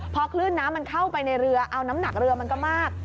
พอคลื่นน้ำมันเข้าไปในเรือเอาน้ำหนักเรือมันก็มาก